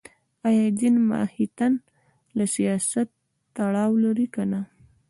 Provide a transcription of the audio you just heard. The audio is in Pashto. ایا دین ماهیتاً له سیاست تړاو لري که نه